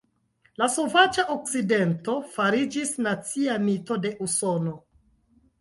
La "sovaĝa okcidento" fariĝis nacia mito de Usono.